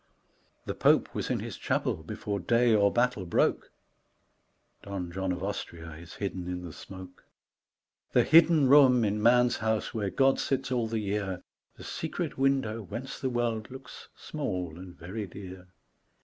The Pope was in his chapel before day or battle broke, (Don John of Austria is hidden in the smoke.) The hidden room in man's house where God sits all the year, The secret window whence the world looks small and very dear.